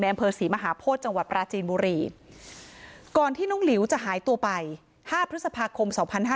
อำเภอศรีมหาโพธิจังหวัดปราจีนบุรีก่อนที่น้องหลิวจะหายตัวไป๕พฤษภาคม๒๕๕๙